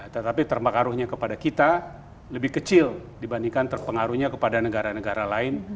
tetapi terpengaruhnya kepada kita lebih kecil dibandingkan terpengaruhnya kepada negara negara lain